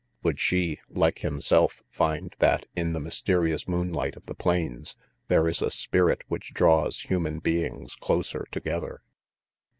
Would she, like himself, find that in the mysterious moonlight of the plains there is a spirit which draws human beings closer together?